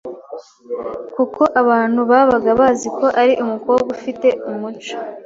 kuko abantu babaga bazi ko ari umukobwa ufite umuco